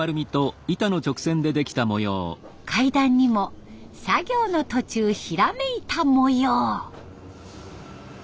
階段にも作業の途中ひらめいた模様。